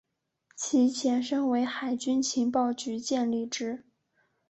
其前身为海军情报局建立之。